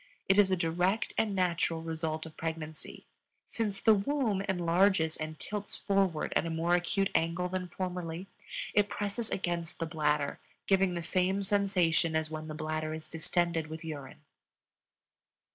It is a direct and natural result of pregnancy. Since the womb enlarges and tilts forward at a more acute angle than formerly, it presses against the bladder, giving the same sensation as when the bladder is distended with urine.